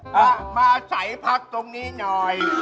เอามาใส่พักตรงนี้หน่อย